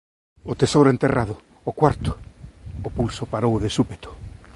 “O tesouro enterrado, o cuarto...” O pulso parou de súpeto.